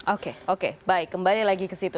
oke oke baik kembali lagi ke situ